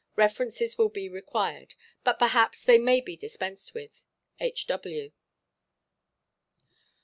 References will be required. But perhaps they may be dispensed with. "H. W."